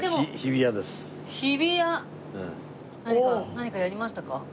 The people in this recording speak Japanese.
何かやりましたか？